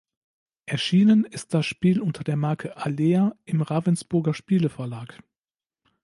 Erschienen ist das Spiel unter der Marke "Alea" im Ravensburger Spieleverlag.